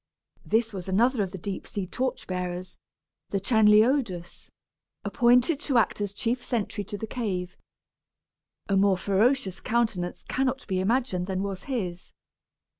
This was another of the deep sea torch bearers, the Chanliodus, appointed to act as chief sentry to the cave. A more ferocious countenance cannot be imagined than was his.